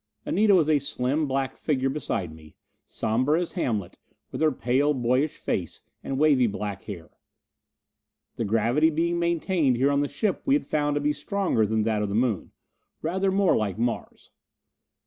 Anita was a slim black figure beside me, somber as Hamlet, with her pale boyish face and wavy black hair. The gravity being maintained here on the ship we had found to be stronger than that of the Moon rather more like Mars.